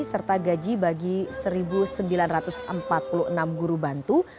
serta gaji bagi satu sembilan ratus empat puluh enam guru bantu